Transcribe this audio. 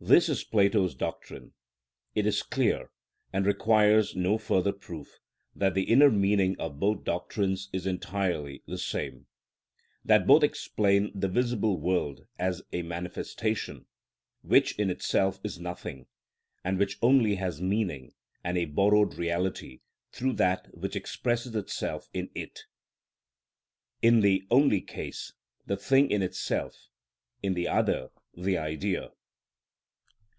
This is Plato's doctrine. It is clear, and requires no further proof that the inner meaning of both doctrines is entirely the same; that both explain the visible world as a manifestation, which in itself is nothing, and which only has meaning and a borrowed reality through that which expresses itself in it (in the one case the thing in itself, in the other the Idea).